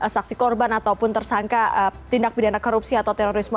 saksi korban ataupun tersangka tindak pidana korupsi atau terorisme